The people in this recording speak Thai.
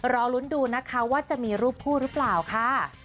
รอลุ้นดูนะคะว่าจะมีรูปคู่หรือเปล่าค่ะ